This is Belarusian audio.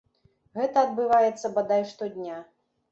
Гэтак адбываецца бадай штодня.